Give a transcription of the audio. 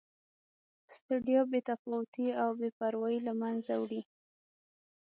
ستړیا، بې تفاوتي او بې پروایي له مینځه وړي.